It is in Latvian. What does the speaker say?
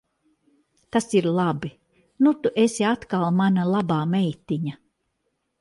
Tas ir labi. Nu tu esi atkal mana labā meitiņa.